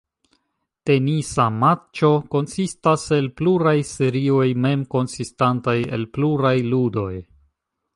Tenisa matĉo konsistas el pluraj serioj, mem konsistantaj el pluraj ludoj.